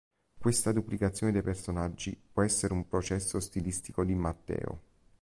Questa duplicazione dei personaggi può essere un procedimento stilistico di Matteo".